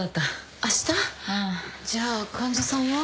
じゃあ患者さんは？